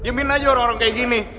diemin aja orang orang kayak gini